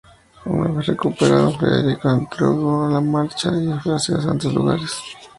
Una vez recuperado, Federico reanudó la marcha y fue hacia los Santos Lugares.